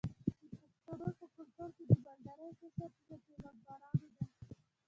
د پښتنو په کلتور کې د مالدارۍ کسب د پیغمبرانو دی.